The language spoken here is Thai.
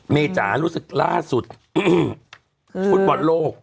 เมจารุสึกล่าสุดสุดบอดโลก